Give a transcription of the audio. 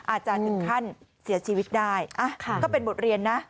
อาจจะถึงขั้นเสียชีวิตได้ก็เป็นบทเรียนนะ